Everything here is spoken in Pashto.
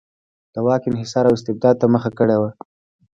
د واک انحصار او استبداد ته مخه کړې وه.